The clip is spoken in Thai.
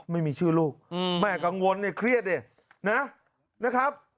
ไม่มีชื่อลูกแม่กังวลเนี่ยเครียดดินะครับ